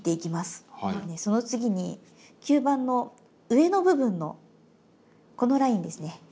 その次に吸盤の上の部分のこのラインですね。